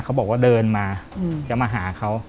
เขาบอกว่าเดินมาจะมาหาเขา